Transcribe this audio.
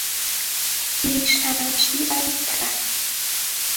ریشتراشی از ته